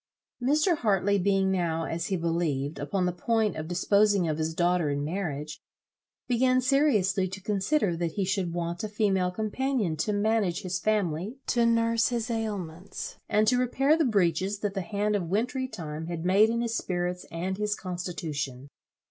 Mr. Hartley being now, as he believed, upon the point of disposing of his daughter in marriage, began seriously to consider that he should want a female companion to manage, his family, to nurse his ailments, and to repair the breaches, that the hand of wintry time had made in his spirits and his constitution.